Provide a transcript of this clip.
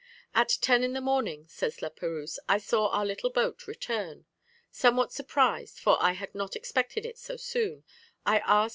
"At ten in the morning," says La Perouse, "I saw our little boat return. Somewhat surprised, for I had not expected it so soon, I asked M.